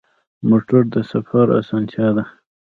موټر د سفر اسانتیا ده.